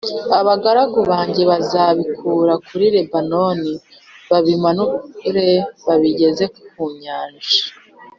Abagaragu banjye bazabikura kuri Lebanoni babimanure babigeze ku Nyanja